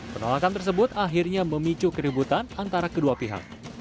penolakan tersebut akhirnya memicu keributan antara kedua pihak